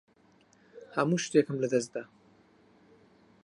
هەموو شتێکم لەدەست دا.